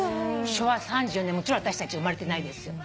昭和３４年もちろん私たち生まれてないですよ。